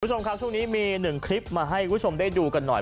ทุกนี้มีที่ยียมแบบมาให้ได้ดูกันหน่อย